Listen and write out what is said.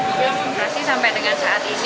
belum operasi sampai dengan saat ini